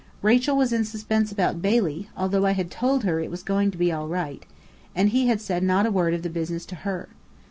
Rachel was in suspense about Bailey, although I had told her it was "going to be all right," and he had said not a word of the business to her.